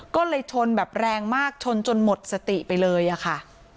ก็เลยชนแบบแรงมากชนจนหมดสติไปเลยอะค่ะ